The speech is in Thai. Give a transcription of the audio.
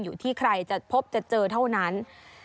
อยู่ที่ใครจะพบจะเจอเท่านั้น